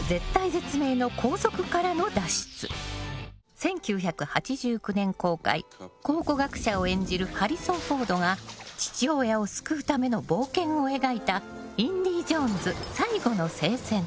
１９８９年公開考古学者を演じるハリソン・フォードが父親を救うための冒険を描いた「インディ・ジョーンズ／最後の聖戦」。